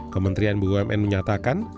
kementerian bumn menyatakan